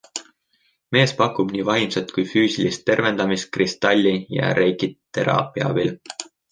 Mees pakub nii vaimset kui füüsilist tervendamist kristalli- ja reikiteraapia abil.